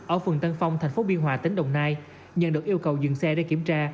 ở phường tân phong tp biên hòa tỉnh đồng nai nhận được yêu cầu dừng xe để kiểm tra